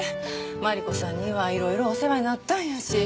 真理子さんにはいろいろお世話になったんやし。